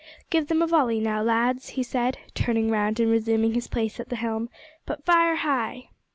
"Give them a volley now, lads," he said, turning round and resuming his place at the helm; "but fire high."